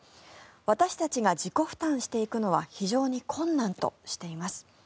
私たちが自己負担していくのは非常に困難としています。